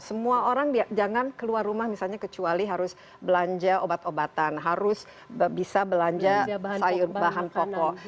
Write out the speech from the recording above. semua orang jangan keluar rumah misalnya kecuali harus belanja obat obatan harus bisa belanja bahan pokok